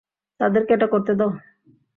তাদেরকে এটা করতে দাও।